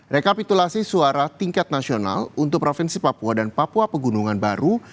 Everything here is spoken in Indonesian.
rekapitulasi suara tingkat nasional untuk provinsi papua dan papua pegunungan baru